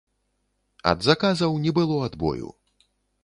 Ад заказаў не было адбою.